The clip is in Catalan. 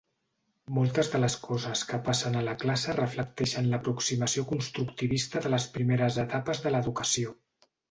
Moltes de les coses que passen a la classe reflecteixen l'aproximació constructivista de les primeres etapes de l'educació.